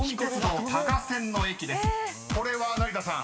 ［これは成田さん］